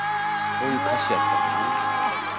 こういう歌詞やったんやな。